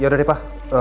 yaudah deh pak